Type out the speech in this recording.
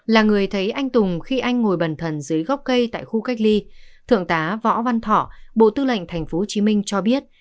là người thấy anh tùng khi anh ngồi bần thần dưới gốc cây tại khu cách ly thượng tá võ văn thọ bộ tư lệnh tp hcm cho biết